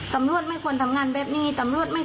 สำรวจไม่ควรทำงานแบบนี้